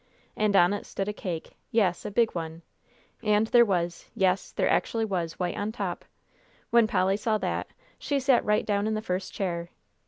And on it stood a cake, yes, a big one, and there was yes, there actually was white on top! When Polly saw that, she sat right down in the first chair.